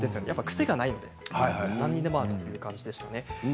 やっぱり癖がないので何にでも合うという感じでしたね。